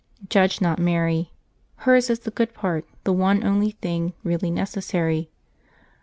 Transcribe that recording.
Judge not Mary. Hers is the good part, the one only thing really necessary.